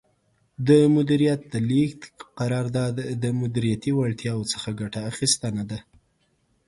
د مدیریت د لیږد قرار داد د مدیریتي وړتیاوو څخه ګټه اخیستنه ده.